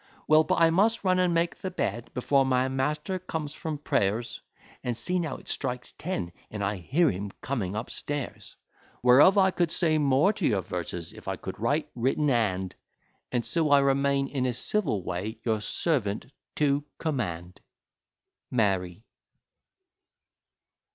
Well, but I must run and make the bed, before my master comes from prayers: And see now, it strikes ten, and I hear him coming up stairs; Whereof I could say more to your verses, if I could write written hand; And so I remain, in a civil way, your servant to 'command, MARY.